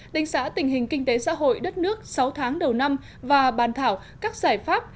đánh giá tình hình kinh tế xã hội đất nước sáu tháng đầu năm và bàn thảo các giải pháp